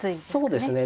そうですね。